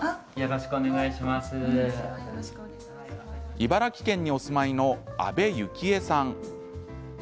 茨城県にお住まいの阿部由紀恵さん。